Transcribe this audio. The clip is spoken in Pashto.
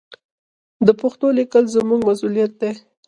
د پښتو لیکل زموږ مسوولیت دی.